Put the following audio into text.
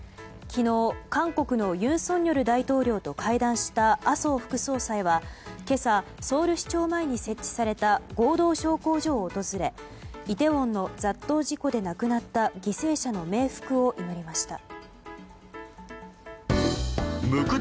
昨日、韓国の尹錫悦大統領と会談した麻生副総裁は今朝、ソウル市庁前に設置された合同焼香所を訪れイテウォンの雑踏事故で亡くなった犠牲者の冥福を祈りました。